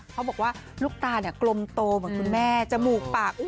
เขาบอกว่าลูกตากลมโตเหมือนคุณแม่จมูกปาก